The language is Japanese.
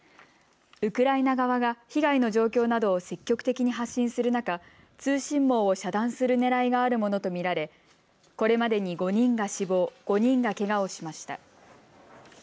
ウクライナ側が被害の状況などを積極的に発信する中、通信網を遮断するねらいがあるものと見られ、これまでに５人が死亡、５人がけがをしました。